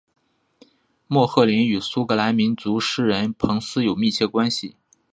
莫赫林与苏格兰民族诗人彭斯有密切关系。